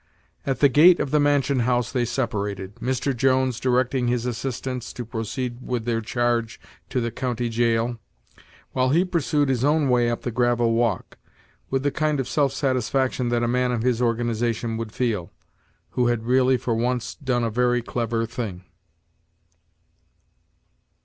At the gate of the mansion house they separated, Mr. Jones directing his assistants to proceed with their charge to the county jail, while he pursued his own way up the gravel walk, with the kind of self satisfaction that a man of his organization would feel, who had really for once done a very clever thing.